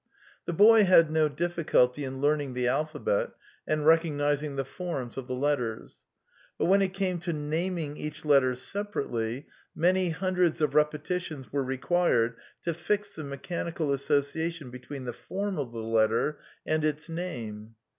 The boy had no difficulty in learning the alphabet and recognizing the forms of the letters. But, when it came to naming each letter separately, many hundreds of repetitions were required to fix the mechanical association between the form of the letter and its name.